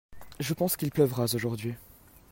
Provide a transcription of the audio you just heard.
Je pense qu'il pleuvra aujourd'hui.